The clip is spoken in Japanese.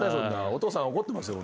お父さん怒ってますよ